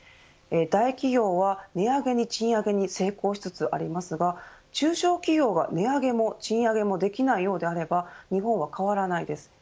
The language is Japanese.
大企業は値上げに、賃上げに成功しつつありますが中小企業は値上げも賃上げもできないようであれば日本は変わらないです。